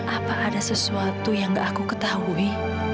apa ada sesuatu yang gak aku ketahui